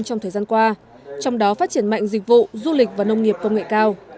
trong thời gian qua trong đó phát triển mạnh dịch vụ du lịch và nông nghiệp công nghệ cao